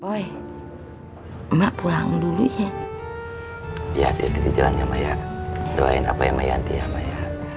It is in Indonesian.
boy emak pulang dulu ya ya dia di jalan ya maya doain apa yang mayanti ya maya